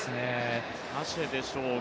アシェでしょうか。